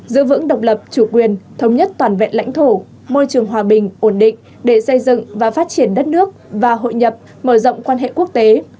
giữ vững độc lập chủ quyền thống nhất toàn vẹn lãnh thổ môi trường hòa bình ổn định để xây dựng và phát triển đất nước và hội nhập mở rộng quan hệ quốc tế